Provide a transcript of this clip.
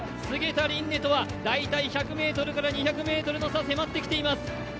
菅田琳寧とは大体１００から２００ｍの差迫ってきています。